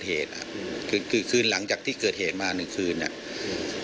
หากผู้ต้องหารายใดเป็นผู้กระทำจะแจ้งข้อหาเพื่อสรุปสำนวนต่อพนักงานอายการจังหวัดกรสินต่อไป